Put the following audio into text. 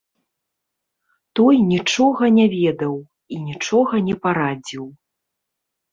Той нічога не ведаў і нічога не парадзіў.